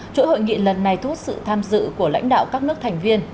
chuỗi hội nghị lần này thu hút sự tham dự của lãnh đạo các nước thành viên